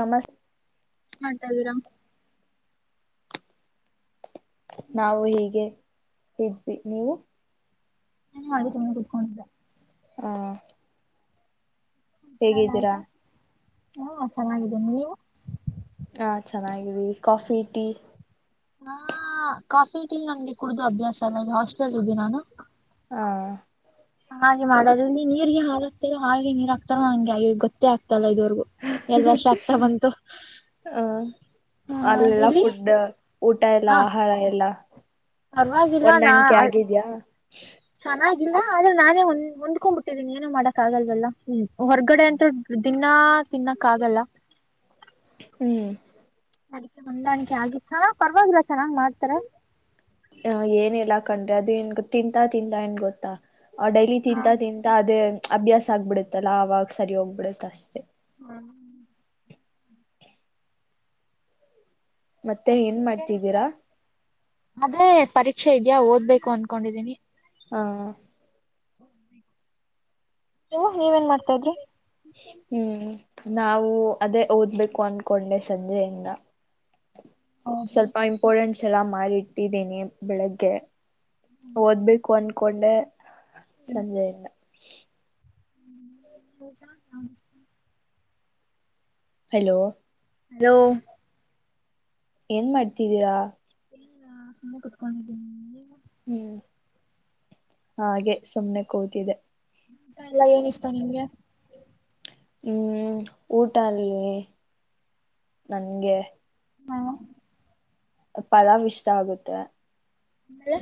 ನಮಸ್ ಮಾಡ್ತಾ ಇದ್ದೀರಾ? ನಾವು ಹೀಗೆ ಇದ್ವಿ, ನೀವು? ಹ್ಮ ಮಾಡಳ ಸುಮ್ಮನೆ ಕುಡ್ಕೊಂಡ ಹಾ ಸ್ನಾನ ಹೇಗಿದ್ದೀರಾ? ಆಯ್ತಾ ಹಾ ಚೆನ್ನಾಗಿದ್ದೀನಿ, ನೀವು? ಹಾ ಚೆನ್ನಾಗೀದಿವಿ, ಕಾಫಿ, ಟೀ ಹಾ ಕಾಫಿ ಟೀ ಎಲ್ಲಾ ನನ್ಗೆ ಕುಡ್ದು ಅಭ್ಯಾಸ ಅಲ್ಲ, ಇ ಹಾಸ್ಟೆಲ್ ಹೋಗಿ ನಾನು ಹಾ ಹೆ ಮಾಡದು ನೀರ್ಗೆ ಹಾಗಕ್ತರೋ ಹಾಗೆ ನೀರ್ ಆಗ್ತಾರ ಹಂಗೆ ಗೊತ್ತ ಆಗ್ತ ಇದುವರೆಗೂ ಎಷ್ಟ್ ವರ್ಷ ಆಗ್ತಾ ಬಂತು? ಆ ಅಲ್ಲೆಲ್ಲಾ ಫುಡ್ ಊಟ ಎಲ್ಲ ಆಹಾರ ಎಲ್ಲ ಪರವಾಗಿಲ್ ನಾ ಹೊಂದಾಣಿಕೆ ಆಗಿದ್ಯಾ ಚೆನ್ನ ಆದ್ರೆ ನಾನೇಂದ್ ಹೊಂದ್ಕೊಂಡ್ಬ ಬಿಟ್ಟಿದೀನಿ, ಏನ ಮಾಡಕ್ ಆಗಲ್ವಲ್ಲ, ಹ್ಮ ಹೊರಗಡೆ ಅಂತು ದಿನಾ ತಿನ್ನಕ್ ಆಗಲ್ಲ. ಹ್ಮ್ ಅಡಿಕೆ ಹೊಂದಾಣಿಕೆ ಆಗಿತ್ತು, ಚನ್ನ ಪರವಾಗಿಲ್ಲ ಚೆನ್ನಂಗ್ ಮಾಡ್ತಾರ. ಹ ಏನ್ಲಾ ಕಂಡ್ರೆ ಅದು ನ್ ತಿಂತಾ ತಿಂತಾ ಏನ್ ಗೊತ್ತಾ? ಆ ಡೈಲಿ ಹಾ ತಿಂತಾ ತಿಂತ ಅದೇ ಅಭ್ಯಾಸ ಆಗ್ಬಿಡುತ್ತಲ್ಲ ಆವಾಗ ಸರಿ ಹೋಗ್ಬಿಡುತ್ತೆ ಅಷ್ಟೇ. ಹ್ಮ ಮತ್ತೆ ಏನ್ ಮಾಡ್ತಿದ್ದೀರಾ ಅದೇ ಪರ ನಿಕ್ಷೆ ಇದ್ಯಾ ಓದ್ಬೇಕು ಅನ್ಕೊಂಡಿದ್ದೀನಿ. ಹಾ ನೀವೇನ್ ಮಾಡ್ತಾ ಇದ್ರಿ? ಹ್ಮ್ ನಾವು ಅದೇ ಓದ್ಬೇಕು ಅನ್ಕೊಂಡೆ ಸಂಜೆಯಿಂದ. ಸ್ವಲ್ಪ ಇಂಪೋರ್ಟೆಂಟ್ ಚಲ ಮಿ ಇಟ್ಟಿದ್ದೇನೆ ಬೆಳಗ್ಗೆ. ಓದ್ಬೇಕು ಅನ್ ಕೊಂಡ ಸಂಜೆ ಇಲ್ಲ ಹ್ಮ ಟ ಹಲೋ ಹಲೋ ಏನ್ ಮಾಡ್ತಿದೀರಾ? ಏ ಸುಮ್ಮನೆ ಕುತ್ಕೊಂಡಿದ್ದೀನಿ. ಹ್ಮ್ ಹಾಗೆ ಸುಮ್ನೆ ಕೂತಿದೆ. ಊಟ ಎಲ್ಲ ಏನ ಇಷ್ಟ ನಿಂಗೆ? ಹ್ಮ್ ಊಟ ಅಲ್ಲಿ ನನ್ಗೆ. ಹ್ಮ. ಪಲಾವ್ ಇಷ್ಟ ಆಗುತ್ತೆ. ಆಮೇಲೆ.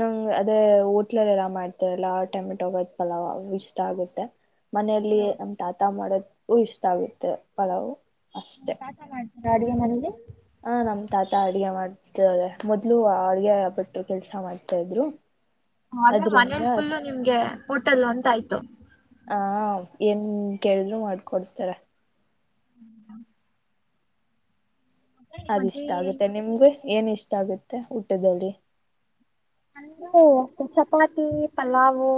ನಂಗ್ ಅದೇ ಹೋಟ್ಲಲ್ಲೆಲ್ಲ ಮಾಡ್ತಾರಲ್ಲ ಟೊಮೆಟೊ ಬಾತ್ ಪಲಾವ್ ಅವ ಇಷ್ಟ ಆಗುತ್ತೆ. ಮನೆಯಲ್ಲಿ ನಮ್ ತಾತ ಮಾಡದ ಇಷ್ಟಾ ಆಗುತ್ತೆ ಪಲಾವು. ನಿಮ್ ತಾತಾ ಮಾಡ್ತ ಗಾಡಿಗೆ ಮನೆಲೀ ಹ ನಮ್ ತಾತ ಅಡ್ಗೆ ಮಾಡ್ತಳೆ ಮೊದ್ಲು ಅಡ್ಗೆ ಆ ಬಟ್ರು ಕೆಲ್ಸ ಮಾಡ್ತಾ ಇದ್ರು. ಅಂದ್ರೆ ಅದ್ರಿಂದ ಮನೇಲಿ ಫುಲ್ಲು ನಿಮ್ಗೆ ಊಟಲ್ಲ ಅಂತ ಆಯ್ತ [unintelligible] ಹ ಏನ್ ಕೇಳ್ರು ಮಾಡ್ಕೊಡ್ತಾರೆ. [unintelligible] ಮತ್ತೆ ನಿಮ್ಮ ಅದ ಅಜ್ಜಿ ಇಷ್ಟ ಏನ್ ಆಗುತ್ತೆ ಮಾಡ್ತಾರೆ ನಿಮ್ಗ ಏನ್ ಇಷ್ಟ ಷ್ಟಗುತ್ತೆ ಊಟದಲ್ಲಿ? ಓ ಚಪಾತಿ ಪಲಾವೂ.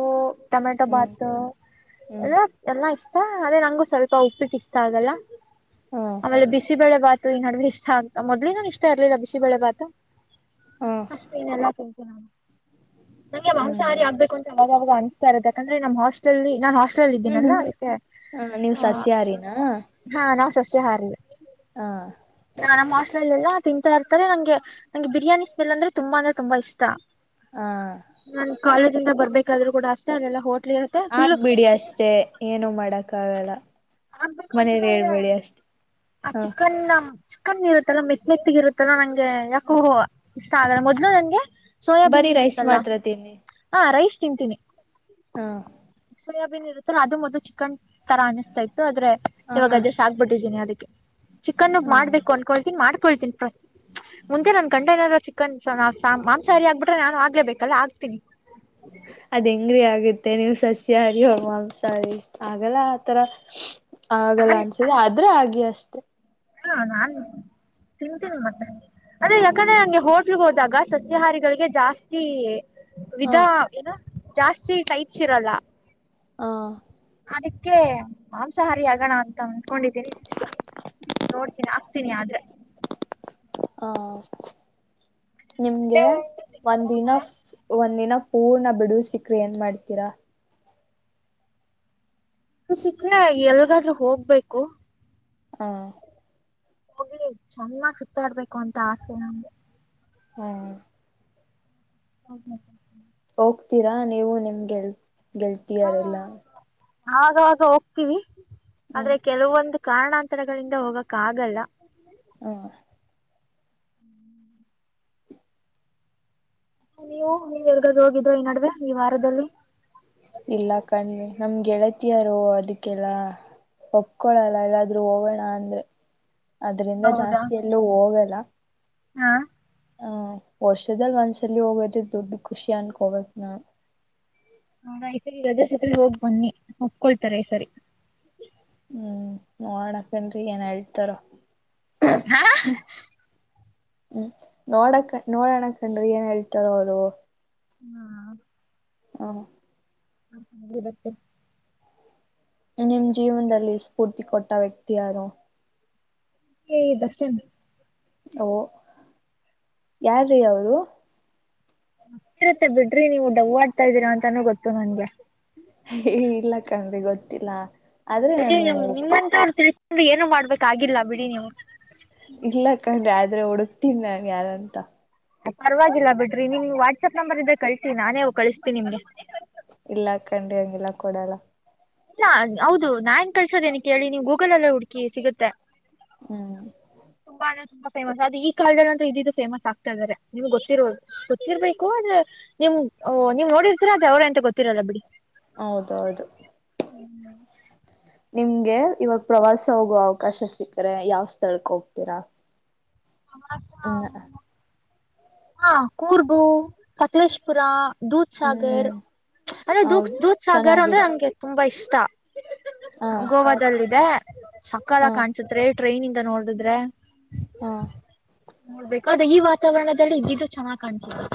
ಟೊಮೆಟೊ ಹ್ಮ್ ಬಾತ್ ಹ್ಮ್ ಎಲ್ಲ ಎಲ್ಲ ಇಷ್ಟ ಅದೇ ನಂಗು ಸ್ವಲ್ಪ ಉಪ್ಪಿಟ್ಟ ಇಷ್ಟಾ ಆಗಲ್ಲ. ಹಾ ಆಮೇಲೆ ಬಿಸಿ ಬೆಳೆ ಬಾತ್ ಈ ನಡುವೆ ಇಷ್ಟ ಅಂತ ಮೊದ್ಲೇ ನಾನ ಇಷ್ಟ ಇರಲಿಲ್ಲ ಬಿಸಿ ಬೆಳೆ ಭಾತ ಹಾ ಅಷ್ಟೇ ಇನ್ನೆಲ್ಲಾ ತಿಂತ ಹ ನಂಗೆ ಹ್ಮ್ ಮಾಂಸಹಾರಿ ಆಗ್ಬೇಕು ಅಂತ ಅವಾಗ ಅವಾಗ ಅನಸ್ತ್ ಇರುತ್ತೆ ಯಾಕಂದ್ರ ನಮ್ಮ ಹಾಸ್ಟೆಲ್ಲಲ್ಲಿ ಲಲ್ಲಿದಿನಲ್ಲ ಹ್ಮ್ ಅದಕೆ ಹ ನೀವು ಸಸ್ಯಾಹಾರಿನಾ ಹಾ ನಾವ್ ಸಸ್ಯ ಹಾರಿ. ಹಾ ನ ನಮ್ಮ ಹಾಸ್ಟೆಲೆಲ್ಲಾ ತಿಂತಾ ಇರ್ತಾರೆ ನಂಗೆ ನಂಗೆ ಬಿರಿಯಾನಿ ಸ್ಮೆಲ್ ಅಂದ್ರೆ ತುಂಬಾ ಅಂದ್ರೆ ತುಂಬಾ ಇಷ್ಟ ತ್ತ. ಹಾ ನನ್ ಕಾಲೇಜ ಬರ್ಬೇಕಾದ್ರೂ ಕೂಡ ಅಷ್ಟೇ ಅಲ್ಲೆಲ್ಲ ಹೋಟೆಲ್ ಆಗ್ಬಿಡಿ ಅಷ್ಟೆ ಏನು ಮಾಡಕ್ಕ ಆಗಲ್ಲ. ಆಗ್ಬೇಕು ಅನ್ಸುತ್ತೆ ಮನೇಲಿ ಆದ್ರೆ ಹೇಳ್ಬೇಡಿ ಅಷ್ಟೆ ಆ ಹ ಚಿಕ್ಕೆನ್ ಚಿಕ್ಕನ್ ಇರುತ್ತಲ್ಲ ಮೆತ್ತ ಮೆತ್ತಗಿರುತ್ತಲ್ಲ ನಂಗೆ ಗೆ ಯಾಕೋ ಇಷ್ಟ ಆಗಲ್ಲ ಮೊದ್ಲು ನನ್ಗೆ ಸೋಯಾಬೀನ್ ಬರೀ ರೈಸ್ ಇರುತ್ತಲ್ಲ ಮಾತ್ರ ಹ ರೈಸ್ ತಿಂತೀನಿ ಹಾ ಸೋಯಾಬನ್ ಇರುತ್ತಲ್ಲ ಅದು ಮೊದ್ಲು ಚಿಕನ್ ತರ ಆಯ್ತು ಆದ್ರೆ ಹ ಇವಾಗ ಹ ಅಜಷ್ಟ ಆಗ್ಬಿಟ್ಟಿದ್ದೀನಿ ಅದಕ್ಕೆ ಚಿಕನ್ ಮಾಡ್ಬೇಕು ಅನ್ಕೊಳ್ತೀಿನಿ ಮಾಡ್ ಕೋಳ್ತಿ ಮುಂದೆ ನನ್ ಗಂಡ ಏನಾರ ಚಿಕನ್ ಮಾಂಸಾಹಾರಿ ಆಗ್ಬಿಟ್ರೆ ನಾನು ಆಗ್ಲೇಬೇಕಲ್ಲ ಆಗ್ತೀನಿ. ಮತ್ತ ನೀವು ಸಸ್ಯ ಹರಿ ಓಂ ಮಾಂಸಾಹಾರಿ ಸಾರಿ ಆಗಲ್ಲ ಆಥರ ಆಗಲ್ಲ ಅನ್ಸದೆ ಆದ್ರೆ ಹಾಗೆ ಇಲ್ಲ ಅಷ್ಟೇ ಹಾ ನಾನ್ ತಿಂತೀನಿ ಮತ್ತೆ ಅದ್ರ ಯಾಕಂದ್ರೆ ಹಂಗೆ ಹೋಟ್ಲ್ಗೆ ಹೋದಾಗ ಸತ್ಯಹಾರಿಗಳಿಗೆ ಜಾಸ್ತಿ ಹ ವಿಧ ಏನ ಜಾಸ್ತಿ ಸೀಟ ಹೈಟ್ಸ್ ಇರಲ್ಲ. ಹಾ ಅದಕ್ಕೆ ಮಾಂಸಾಹಾರಿ ಆಗಣ ಅಂತ ಅನ್ಕೊಂಡಿದ್ದೀನಿ ನೋಡ್ತೀನಿ ತಿನ್ನಿ ಆದ್ರೆ [unintelligible] ಹಾ.. ಮತ್ತೆ ನಿಮ್ಗೆ ಒಂದಿನ ತಿನ್ನಲ್ಲ ಒಂದಿನ ಪೂರ್ಣ ಬಿಡುವ ಸಿಕ್ರ ಏನ್ ಮಾಡ್ತೀರಾ ಸಿಕ್ರೆ ಯಲಗಾದರೂ ಹೋಗ್ತಿವಿ ಹೋಗ್ಬೇಕು.. ಹ ಹೋಗ್ಲಿ ಚೆನ್ನಾಗ್ ಸುತ್ತಾಡ್ಬೇಕು ಅಂತ ಆಸೆ ನಮ್ಗೆ ಹ್ಮ ಹೌ ಹೋಗ್ತೀರಾ ನೀವು ನಿಮ್ಗೆ ಗೆಳತಿ ಗೆಳ್ತಿಯಾರೆ ಎಲ್ಲಾ ಅವಾಗ ಅವಾಗ ಹೋಗ್ತೀವಿ ಹ್ಮ್ ಆದ್ರೆ ಕೆಲವೊಂದ ಕಾರಣಾಂತರಗಳಿಂದ ಹೋಗಕ್ ಆಗಲ್ಲ. ಹ ನೀವು ನೀವ್ ಎಲಗಾದರು ಹೋಗಿದ್ರ ಈ ನಡುವೆ ಈ ವಾರದಲ್ಲಿ. ಇಲ್ಲ ಕಣೆ ನಮ್ ಗೆಳತಿಯರು ಅದಕ್ಕೆಲ್ಲಾ... ಒಪ್ಕೊಳಲ್ಲ ಎಲ್ಲಾದ್ರೂ ಹೋಗೋಣ ಅಂದ್ರೆ. ಅದ್ರಿಂದ ಹೌದಾ ಜಾಸ್ತಿ ಎಲ್ಲೂ ಹೋಗಲ್ಲ. ಹಾ ಹ್ಮ ವರ್ಷದಲ್ ಒಂದ್ಸಲಿ ಹೋಗೋದ ದೊಡ್ಡ ಖುಷಿ ಅನ್ಕೋಬೇಕ ನಾನು [unintelligible] ಹಂಗಾದರೆ ಈ ಸರಿ ರಜಾ ಸಿಕ್ಕರೆ ಹೋಗ್ ಬನ್ನಿ ಒಪ್ಕೊಳ್ತಾರೆ ಈ ಸರಿ ಹ್ಮ್ ನೋಡತೇನ್ರಿ ಏನ್ ಹೇಳ್ತಾರೋ ಹಾ [inaudible] ಹ್ಮ್ ನೋಡಕ್ ನೋಡಣ ಕಣ್ರಿ ಏನ್ ಹೇಳ್ತಾರ ಅವರು ಹಾ ಹಾ ಹಾ ಹಾಗ ಇರುತ್ತೆ ನಿಮ್ ಜೀವನದಲ್ಲಿ ಸ್ಫೂರ್ತಿ ಕೊಟ್ಟ ವ್ಯಕ್ತಿ ಯಾರು ಏ ದರ್ಶನ್ ಓ ಯಾರ್ರೀ ಅವರು ಗೊತ್ತಿರುತ್ತೆ ಬಿಡ್ರಿ ನೀವು ಡವ್ ಆಡ್ತಾ ಇದ್ದೀರಾ ಅಂತಾನೂ ಗೊತ್ತು ನನ್ಗೆ ಏ ಇಲ್ಲ ಕಣ್ರಿ ಗೊತ್ತಿಲ್ಲ ಆದ್ರೆ ಬಿಡಿ ನಾನು ನಿಮ್ಮಂತ ಅವ್ರು ತಿ ಏನು ಮಾಡ್ಬೇಕಾಗಿಲ್ಲ ಬಿಡಿ ನೀವು ಇಲ್ಲ ಕಂಡ್ರಿ ಆದ್ರೆ ಹುಡುಕ್ ಹುಡ್ಕಿನಿ ನಾನನ್ ಯಾರಂತ ಪರ್ವಾಗಿಲ್ಲ ಬಿಡ್ರಿ ನಿಮ್ಗೆ ವಾಟ್ಸಪ್ ನಂಬರ್ ಇದ್ರೆ ಕಳ್ಸಿ ನಾನೇ ಕಳಸ್ತೀನಿ ನಿಮ್ಗೆ ಇಲ್ಲ ಕಂಡ್ರಿ ಹಂಗಿಲ್ಲ ಕೊಡಲ್ಲ ಇಲ್ಲ ಹೌದು ಕಳ್ಸೋದೇನ ಕೇಳಿ ನೀವು ಗೂಗಲ್ ಎಲ್ಲೇ ಹುಡ್ಕಿ ಸಿಗುತ್ತೆ ಹ್ಮ್.. ತುಂಬಾ ಫೇಮಸ್ ಅದು ಈ ಕಾಲ್ಡ ಅಂದ್ರೆ ಇದಿದದು ಫೇಮಸ್ ಆಗ್ತಾ ಇದಾರೆ ನಿಮ್ಗೆ ಗೊಿರೋದು ಗೊಿರ್ಬೇಕು ಆದ್ರೆ ನಿಮ್ ನೀವು್ ನೋಡಿರ್ತ್ರ ಅದ ಅವ್ರೇ ಅಂತ ಗೊತ್ತಿರೋಲ್ಲ ಬಿಡಿ ಹೌದೌದು ಇಲ್ಲಾ... ನಿಮ್ಗೆ ಇವಾಗ ಪ್ರವಾಸ ಹೋಗುವ ಅವಕಾಶ ಸಿಕ್ಕ್ರೆ ಯಾವ್ ಸ್ಥಳಕ್ ಹೋಗ್ತೀರಾ ಹ ಇಲ್ಲಾ.. ಹ... ಹಾ ಕೂರ್ಗು ಸಕಲೇಶ್ಪುರಾ.. ದೂದ್ ಸಾಗರ್ ಹ್ಮ್ ಅಂದ್ರೊ ಹೌದು ದೂಧ್ ಸಾಗರ್ ಅಂದ್ರೆ ಚೆನ್ನಾಗಿದೆ ನಮಗೆ ತುಂಬಾ ಇಷ್ಟ ಹಾ ತ್ತ ಗೋವಾದಲ್ಲಿದೆ ಸಾಕತ್ ಹಾ ಕಾಣ್ಸತ್ ಟ್ರೈನ್ ಇಂದ ನೋಡಿದ್ರೆ ಹಾ ನೋಡ್ಬೇಕು ಈ ವಾತಾವರಣದಲ್ಲಿ ಇದದು ಚೆನ್ನಾಗ ಕಾಣ್ಸ್ತಿದೆ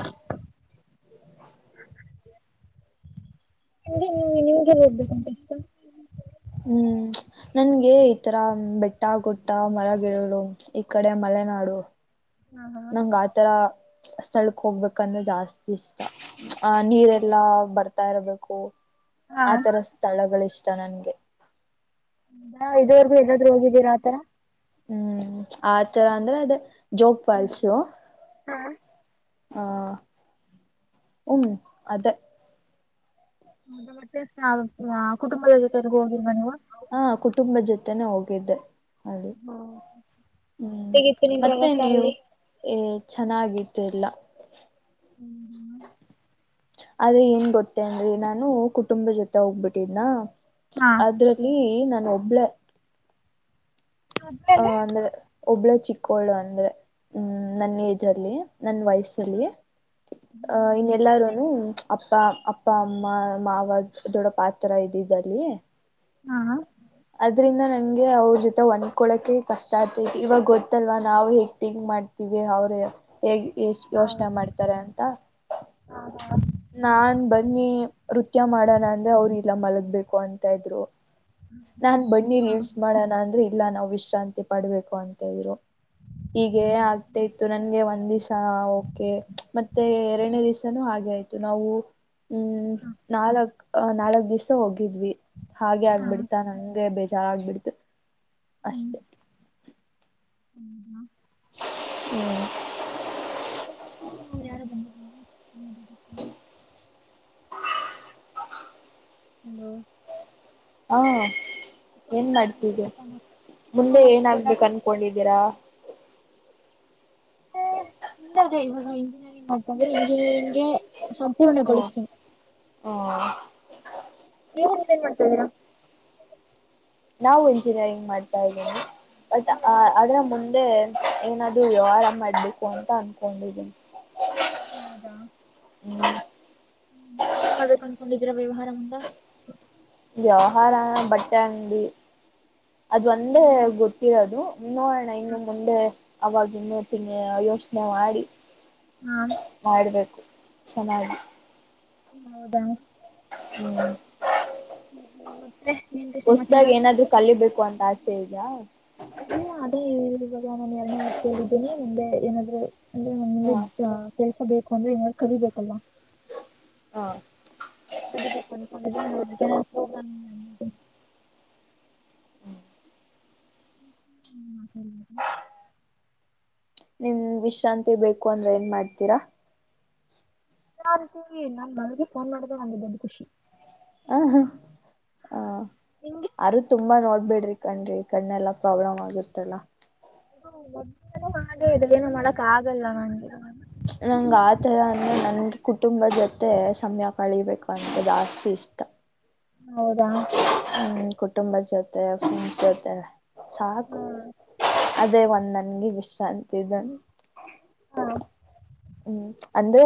ನಿಮಗೆ ನಿಮ್ಗೆ ನ್ ಹೋಗ್ಬೇಕುಂತ ಹ್ಮ್ ನನ್ಗೆ ಈತರ ಬೆಟ್ಟ ಗುಟ್ಟ ಮರಗಿಡಗಳು ಈ ಕಡೆ ಮಲೆನಾಡು ನಂಗ ಆತರ ಸ್ಥಳಕ್ ಹೋಗ್ಬೇಕಂದ್ರೆ ಜಾಸ್ತಿ ಇಷ್ಟ ಆ ನೀರೆಲ್ಲಾ ಬರ್ತ ಬರ್ತಾ ಇರ್ಬೇಕು ಹಾ ಆತರ ಸ್ಥಳಗಳೆಷ್ಟ ಇಸ್ಟ ನನ್ಗೆ ಇದವರ್ಗು ಎಲ್ಲಾದ್ರು ಹೋಗಿದ್ದೀರ ಆತರ ಹ್ಮ್ ಆತರ ಅಂದ್ರೆ ಅದೇ ಜೋಕ್ ಫಾಲ್ಸ್ ಹಾ ಹ್ಮ್ ಅದ ಮತ್ತೆ ಮತ್ತೆ ಕುಟುಂಬದ ಜೊತೆ ಹೋಗಿಲ್ವಾ ನೀವು ಹಾ ಕುಟುಂಬ ಜೊತೆನೆ ಹೋಗಿದ್ದೆ ಅದು ಹ್ಮ್ ಹೇಗಿತ್ತು ನಿಮ್ ಮತ್ತೆ ಪ್ರವಾಸ ನೀವು ಅಲ್ಲಿ ಎ ಚೆನ್ನಾಗಿ ಇಲ್ಲ ಆದ್ರೆ ಏನ್ ಗೊತ್ತೇ ಅನ್ರಿ ನಾನು ಕುಟುಂಬ ಜೊತೆ ಹೋಗ್ಬಿಟ್ಟಿದ್ನ ಹಾ ಅದ್ರಲ್ಲಿ ಏ [unintelligible] ಒಬ್ಬಳ ಹಾ ಒಬ್ರಲ್ಲ? ಆಮೇಲೆ ಒಬ್ಳ ಚಿಕ್ಕೋಳು ಅಂದ್ರೆ ಹ್ಮ್ ನನ್ನ ಏಜ್ ಅಲ್ಲಿ ನನ್ ವಯಸ್ಸಲ್ಲಿ ಅ ಇನ್ನಲ್ಲಾರುನು ಅಪ್ಪ ಅ ಅಪ್ಪ ಅಮ್ಮ ಮಾವಾಗ ದೊಡ್ಡ ಪಾತ್ರ ಇದಿದ್ದಲ್ಲಿ ಹಾ ಅದ್ರಿಂದ ನಂಗೆ ಅವ್ರ ಜೊತೆ ಒಂದ್ಕೊಳಕೆ ಕಷ್ಟ ಆಗ್ತೈತಿ ಇವಾಗ ಗೊತ್ತಲ್ವಾ ನಾವು ಹೇಗ್ ತೀಗ ಮಾಡ್ತೀವಿ ಅವ್ರ ಹೇಗ್ ಎಷ್ಟ ಹೌದು. ಯೋಚನೆ ಮಾಡ್ತಾರೆ ಅಂತ ನಾನ ಬನ್ನಿ ನೃತ್ಯ ಮಾಡೋಣ ಅಂದ್ರೆ ಅವರು ಇಲ್ಲ ಮಲಗ್ಬೇಕು ಅಂತ ಇದ್ರು ನಾನ್ ಬನ್ನಿ ರಿಲ್ಮಾಡೋಣ ಅಂದ್ರೆ ಇಲ್ಲ ನಾವು ವಿಶ್ರಾಂತಿ ಪಡ್ಬೇಕು ಅಂತ ಇದ್ರು ಹೀಗೆ ಆಗ್ತ ಇತ್ತು ನನ್ಗೆ ಒಂದ್ ದಿವಸ ಓಕೆ ಮತ್ತೆ ಎರಡನೇ ದಿವ್ಸನುೂ ಹಾಗೆ ಆಯ್ತು ನಾವು ಹ್ಮ್ ನಾಲ್ಕ್ ಅಹ ನಾಲ್ಕ್ ದಿವ್ಸ ಹೋಗಿದ್ವಿ ಹಾಗೆ ಆಗ್ಬಿಡ್ ನಂಗೆ ಬೇಜಾರಆಗ್ಬಿಡ್ತು ಅಷ್ಟೇ ಹ್ಮ್ ಹೌದಾ [inaudible] ಯಾರ ಬಂದ ಹಾದ ಹ [inaudible] ಹಲೋ ಹ ಏನ್ ಮಕ್ಕಳು ನಡ್ತಿದೆ ದೊಡ್ಡಪ್ಪ ಮಕ್ಕಳು ಚಿಕ್ಕಮ್ಮ ಮುಂದೆ ಮಕ್ಕಳು ದೊಡ್ಡಪ್ಪ ಏನಾಗಗ್ಬೇಕ ಅನ್ಕೊಂಡಿದ್ದೀರಾ ಹ ಅದೇ ಇವಾಗ ಇಂಜಿನಿಯರಿಂಗ್ ಮಾಡ್ತಂದ್ರೆ ಇಂಜಿನಿಯರಿಂಗ್ಗೆ ಹ್ಮ ಸಂಪೂರ್ಣಗೊಳ್ತೀನಿ ನೀವ್ ಇನ್ನೇನ್ ಮಾಡ್ತದಇದೀರಾ ನಾವು ಇಂಜಿನಿಯರಿಂಗ್ ಮಾಡ್ತಾ ಇದ್ದೀನಿ ಬಟ್ ಯಾವ ಅ ವರ್ಷ ಅದ್ರ ಮುಂದೆ ಏನಾದರೂ ವ್ಯವಹಾರ ಮಾಡ್ಬೇಕು ಅಂತ ಅನ್ಕೊಂಡಿದೀನಿ ಹೌದಾ ಹ್ಮ್ ಹ್ಮ ಏನ್ ಮಾಡ್ಬೇಕು ಅನ್ಕೊಂಡಿದೀರ ವ್ಯವಹಾರ ಮುಂದ ಜವಹರನ ಬಟ್ಟೆ ಅಂಗಡಿ ಅದ ಒಂದೇ ಹ್ಮ್ ಗೊತ್ತಿರೋದು ನೋಡೋಣ ಇನ್ನು ಮುಂದೆ ಅವಾಗ ಇನ್ನತಿನ ಯೋಚನೆ ಮಾಡಿ. ಹಾ ಮಾಡ್ಬೇಕು. ಸನ್ನ [inaudible] ಹೌದಾ ಹ್ಮು ಮತ್ತೆ ಏನ್ರೀ ಸಮಾಚಾರ ಹೊಸ್ದಾಗ ಏನಾದ್ರು ಕಲಿಬೇಕು ಅಂತ. ಆಸೆ ಇದೆಯಾ ಹ್ಮು ಅದೇ ಹೇಳದೆ ಎಲ್ಲ ನಾನು ಎರಡನೇ ವರ್ಷದಲ್ಲ ಇದ್ದನಿ ಮುಂದೆ ಏನಾದ್ರು ಅಲ್ಲಿ ಹ ಒಂದ ಕೆಲ್ಸ ಬೇಕ ಹಕೊಂಡ್ರೆ ಏನ್ ಕಲಿಬೇಕಲ್ಲ ಹಾ ಕ ಪಕ ಕೊನೆ ಪ್ರೋಗ್ರ [inaudible] ಹ್ಮ್ ಸರಿ ನಿಮ್ಗ್ ವಿಶ್ರಾಂತಿ ಬೇಕು ಅಂದ್ರೆ ಏನ್ ಮಾಡ್ತೀರಾ. ನನ್ ನಾನ್ ಮಳಗೆ ಫೋನ್ ಮಾಡಿದ ನನಗೆ ದೊಡ್ಡ ಖುಷಿ ಹಹ ನಿಮ್ಗೆ ಆದ್ರೂ ತುಂಬಾ ನೋಡ್ಬಿಡ್ರಿ ಕಣ್ರಿ ಕಣ್ಣೆಲ್ಲಾ ಪ್ರಾಬ್ಲಮ್ ಆಗಿತ್ತಲ್ಲ. ಹ್ಮ ಮ ಹಾಗೆ ಇರು ಏನು ಮಾಡಕ್ ಆಗಲ್ಲ ನಂಗೆ. ನಂಗ ಆ ತರ ಅಂದ್ರೆ ನನ್ಗೆ ಕುಟುಂಬ ಜೊತೆ ಸಮಯ ಕಳಿಬೇಕು ಅಂದೆ ಜಾಸ್ತಿ ಇಷ್ಟ. ಹೌದಾ ಕುಟುಂಬ ಜೊತೆ ಫ್ರೆಂಡ್ಸ್ ಜೊತೆ ಸಾಕು ಅದೇ ಒಂದ್ ನನ್ಗೆ ವಿಶ್ರಾಂತಿ. ಹಾ ಹ್ಮ ಅಂದ್ರೆ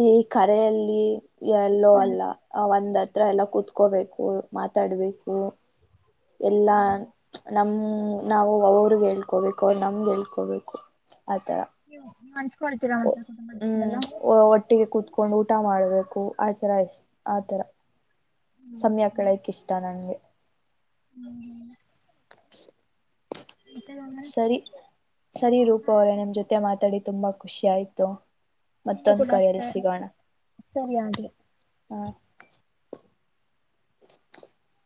ಈ ಕಾರ್ಯ ಅಲ್ಲಿ ಎಲ್ಲೋ ಅಲ್ಲ ಆ ಒಂದ. ಹತ್ರ ಎಲ್ಲ ಕುತ್ಕೋಬೇಕು ಮಾತಾಡ್ಬೇಕು. ಎಲ್ಲಾ ಹ್ಮ್ ನಮ್ಮ ಹ್ಮ ನಾವು ಅವ್ರಗೆ ಹೇಳ್ಕೊಬೇಕು ಅವ್ರು ನಮ್ಗೆ ಹೇಳ್ಕೊಬೇಕು. ಅಥರಾ ಅಣ್ ಹ್ಮ್ ಒಟ್ಟಿಗೆ ಕುತ್ಕೊಂಡು ಊಟ ಮಾಡ್ಬೇಕು. ಆ ತರ ಇಷ್ಟ ಆತರ ಸಮಯ ಕಲಿಯೆಕ್ ಇಷ್ಟ ನನ್ಗೆ ಹ್ಮು ಹ್ಮು [inaudible] ಸರಿ ಸರಿ ರೂಪ ಹಾ, ಅವರೇ ನಿಮ್ ಜೊತೆ ಮಾತಾಡಿ ತುಂಬಾ ಖುಷಿ ಆಯ್ತು ಮತ್ತೊಂದ ಕರೆಯಲ್ಲಿ ಸಿಗೋಣ. ಸರಿಯಾದ ಹ್ಮ [inaudible]